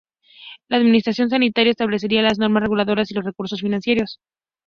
La administración sanitaria establecería las normas reguladoras y los recursos financieros.